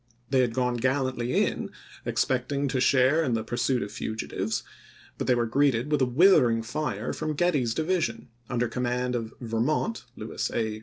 They had gone gallantly in, expecting to share in the pursuit of fugitives, but they were greeted with a withering fire from Getty's division — under command of "Vermont " [Lewis A.